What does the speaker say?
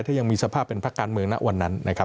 ถ้ายังมีสภาพเป็นพักการเมืองนั้นวันนั้น